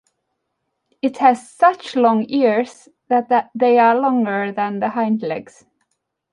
It has such long ears that they are longer than the hind legs.